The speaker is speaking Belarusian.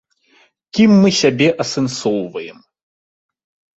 Кім мы сябе асэнсоўваем?